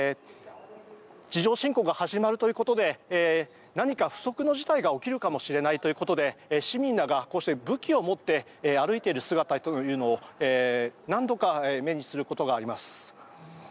地上侵攻が始まるということで何か不測の事態が起きるかもしれないということで市民らがこうして武器を持って歩いている姿を何度か目にすることがあります。